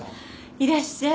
いらっしゃい。